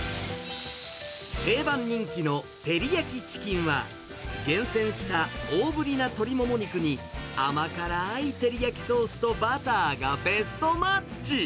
定番人気の照り焼きチキンは、厳選した大ぶりな鶏もも肉に、甘辛い照り焼きソースとバターがベストマッチ。